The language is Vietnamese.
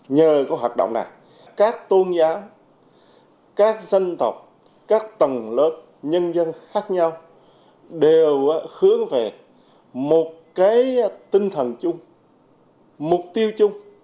nhờ cái hoạt động này các tôn giáo các dân tộc các tầng lớp nhân dân khác nhau đều hướng về một cái tinh thần chung mục tiêu chung